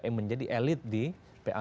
yang menjadi elit di pa dua ratus dua belas